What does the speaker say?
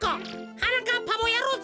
はなかっぱもやろうぜ。